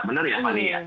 bener ya fanny ya